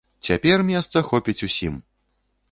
Цяпер месца хопіць усім!